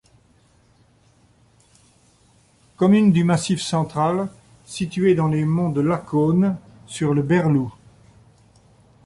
Commune du Massif central située dans les monts de Lacaune, sur le Berlou.